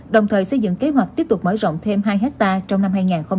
đồng thời xây dựng kế hoạch tiếp tục mở rộng thêm hai hectare trong năm hai nghìn hai mươi